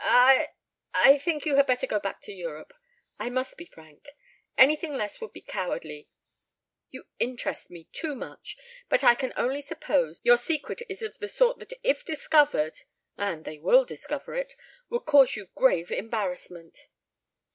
"I I think you had better go back to Europe. I must be frank. Anything less would be cowardly. You interest me too much. ... But I can only suppose that your secret is of the sort that if discovered and they will discover it! would cause you grave embarrassment."